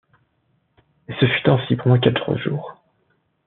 Et ce fut ainsi pendant quatre jours !